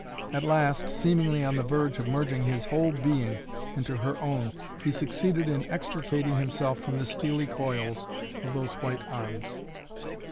At last, seemingly on the verge of merging his whole being into her own, he succeeded in extricating himself from the steely coils of those white arms.